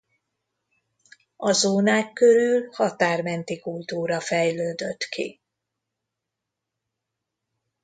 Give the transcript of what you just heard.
A Zónák körül határmenti kultúra fejlődött ki.